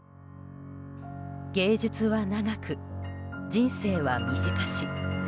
芸術は長く、人生は短し。